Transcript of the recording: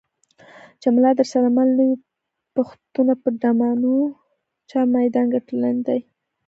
چې ملا درسره مل نه وي پښتونه په ډمانو چا میدان ګټلی نه دی.